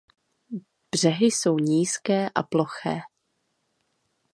Břehy jsou nízké a ploché.